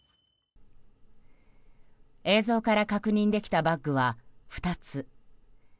映像から確認できるバッグは２つ。